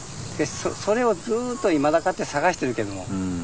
それをずっといまだかつて探してるけども。